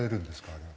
あれは。